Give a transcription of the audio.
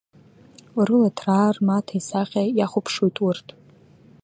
Рыла ҭраа рмаҭа исахьа иахәаԥшуеит урҭ.